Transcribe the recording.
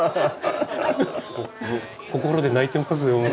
心で泣いてますよ